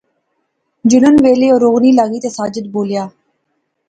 جلن ویلے او رونے لاغی تے ساجد بولیا